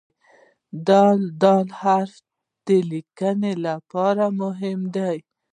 د "د" حرف د لیکنې لپاره مهم دی.